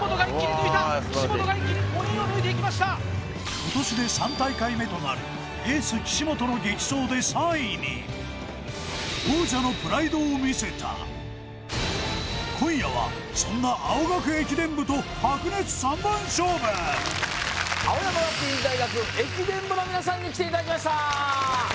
今年で３大会目となるエース・岸本の激走で３位に今夜はそんな青学駅伝部と白熱３番勝負青山学院大学駅伝部の皆さんに来ていただきました